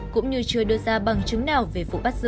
cũng như chưa đưa ra bằng chứng nào về vụ bắt giữ